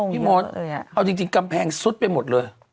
พี่มดเอาจริงกำแพงซุดไปหมดเลย